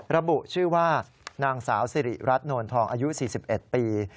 ระบุชื่อว่านางสาวสิริรัตนวลทองอายุ๔๑ปี